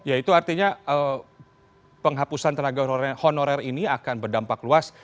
ya itu artinya penghapusan tenaga honorer ini akan berdampak luas